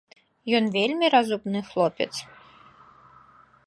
Ён вельмі разумны хлопец.